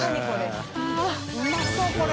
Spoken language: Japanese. うまそうこれ。